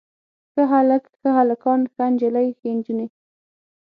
ښه هلک، ښه هلکان، ښه نجلۍ ښې نجونې.